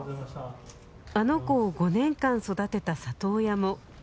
「あの子」を５年間育てた里親も